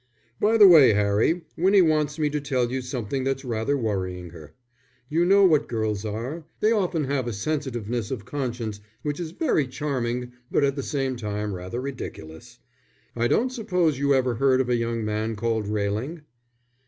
"By the way, Harry, Winnie wants me to tell you something that's rather worrying her. You know what girls are. They often have a sensitiveness of conscience which is very charming but at the same time rather ridiculous. I don't suppose you ever heard of a young man called Railing?